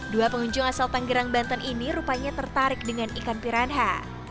dua pengunjung asal tanggerang banten ini rupanya tertarik dengan ikan piranha